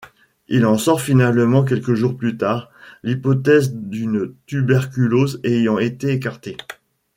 Il en sort finalement quelques jours plus tard, l'hypothèse d'une tuberculose ayant été écartée.